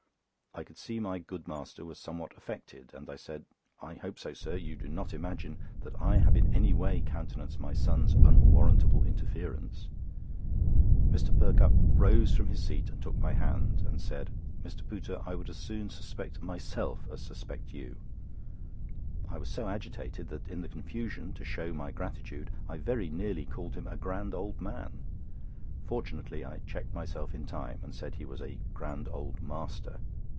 I could see my good master was somewhat affected, and I said: "I hope, sir, you do not imagine that I have in any way countenanced my son's unwarrantable interference?" Mr. Perkupp rose from his seat and took my hand, and said: "Mr. Pooter, I would as soon suspect myself as suspect you." I was so agitated that in the confusion, to show my gratitude I very nearly called him a "grand old man." Fortunately I checked myself in time, and said he was a "grand old master."